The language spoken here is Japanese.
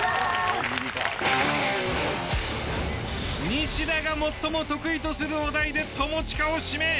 西田が最も得意とするお題で友近を指名。